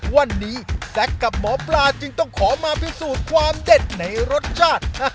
วันนี้แซคกับหมอปลาจึงต้องขอมาพิสูจน์ความเด็ดในรสชาติ